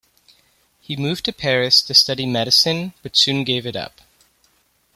He moved to Paris to study medicine, but soon gave it up.